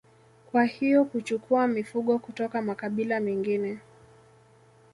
Kwa hiyo kuchukua mifugo kutoka makabila mengine